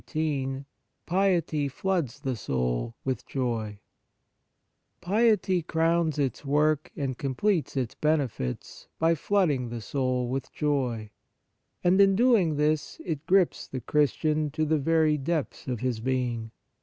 XVIII PIETY FLOODS THE SOUL WITH JOY PIETY crowns its work and com pletes its benefits by flooding the soul with joy ; and, in doing this, it grips the Christian to the very depths of his being.